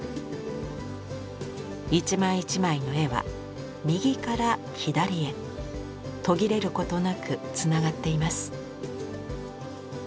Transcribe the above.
一枚一枚の絵は右から左へ途切れることなくつながっています。